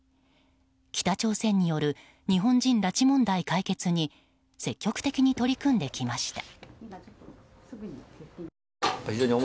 北朝鮮による日本人拉致問題解決に積極的に取り組んできました。